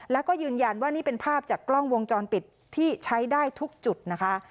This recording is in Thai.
แล้วก็ยืนยันว่านี่เป็นภาพจากกล้องวงจรปิดที่ใช้ได้ทุกจุดนะคะ